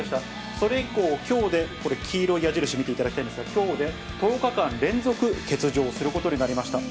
それ以降、きょうで、黄色い矢印見ていただきたいんですが、きょうで１０日間連続欠場することになりました。